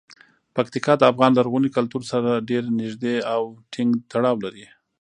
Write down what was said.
پکتیکا د افغان لرغوني کلتور سره ډیر نږدې او ټینګ تړاو لري.